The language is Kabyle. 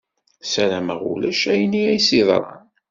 Sarameɣ ulac ayen i as-yeḍran.